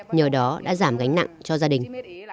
nhờ đó đã giảm gánh nặng cho gia đình